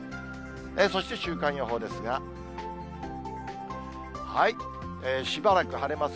そして週間予報ですが、しばらく晴れます。